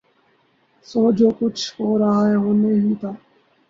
سو جو کچھ ہورہاہے ہونا ہی تھا۔